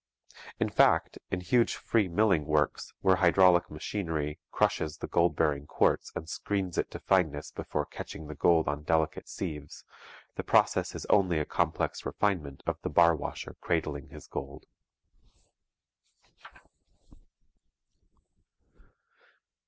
In fact, in huge free milling works, where hydraulic machinery crushes the gold bearing quartz and screens it to fineness before catching the gold on delicate sieves, the process is only a complex refinement of the bar washer cradling his gold.